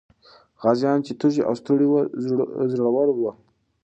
غازيان چې تږي او ستړي وو، زړور وو.